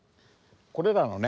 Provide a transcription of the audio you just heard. これらのね